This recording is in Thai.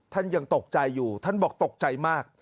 ยังตกใจอยู่ท่านบอกตกใจมาก